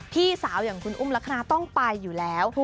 พี่สาวอย่างคุณอุ้มลักษณะต้องไปอยู่แล้ว